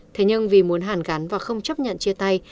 thế nhưng vì muốn hàn gắn và không chấp nhận chia tay